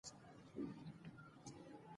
د ماشومانو ټولنیز مهارتونه په لوبو کې روزل کېږي.